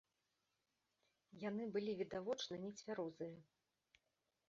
Яны былі відавочна нецвярозыя.